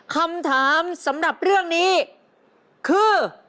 คำถามสำหรับเรื่องนี้คือ